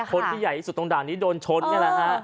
คนที่ใหญ่ที่สุดตรงด่านนี้โดนชนนี่แหละฮะ